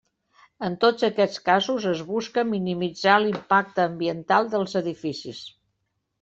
En tots aquests casos es busca minimitzar l'impacte ambiental dels edificis.